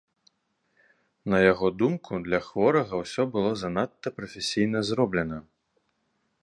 На яго думку, для хворага ўсё было занадта прафесійна зроблена.